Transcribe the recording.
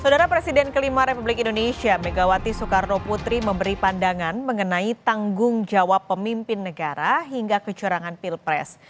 saudara presiden kelima republik indonesia megawati soekarno putri memberi pandangan mengenai tanggung jawab pemimpin negara hingga kecurangan pilpres